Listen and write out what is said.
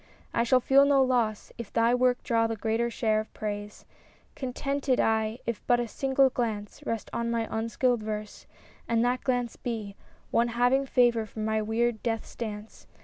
— I shall feel no loss If thy work draw the greater share of praise ;— Contented I if but a single glance Rest on my unskilled verse, and that glance be One having favor for my weird " Death's Dance."